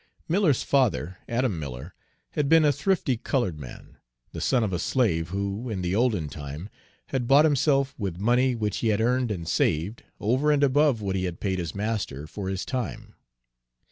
Miller's father, Adam Miller, had been a thrifty colored man, the son of a slave, who, in the olden time, had bought himself with money which he had earned and saved, over and above what he had paid his master for his time.